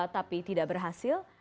tapi tidak berhasil